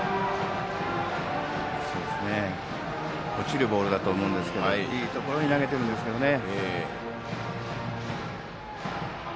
落ちるボールだと思うんですがいいところに投げているんですけどね。